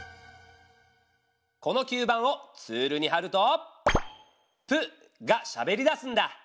この吸盤をツールにはると「プ」がしゃべりだすんだ。